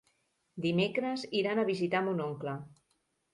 Dimecres iran a visitar mon oncle.